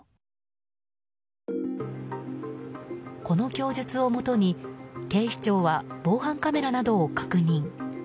この供述をもとに警視庁は防犯カメラなどを確認。